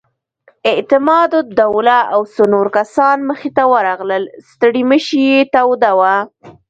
اعتماد الدوله او څو نور کسان مخې ته ورغلل، ستړې مشې یې توده وه.